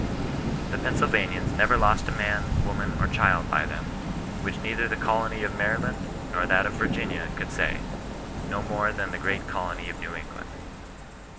* The Pennsylvanians never lost a man, woman, or child by them ; which neither the colony of Maryland, nor that of Virginia could say, no more than the great colony of New England.'